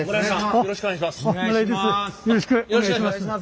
よろしくお願いします。